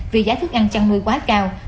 vì giá thức ăn chăn nuôi quá cao